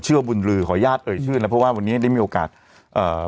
บุญลือขออนุญาตเอ่ยชื่อนะเพราะว่าวันนี้ได้มีโอกาสเอ่อ